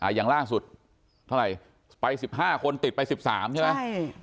อ่าอย่างล่างสุดเท่าไรไปสิบห้าคนติดไปสิบสามใช่ไหมใช่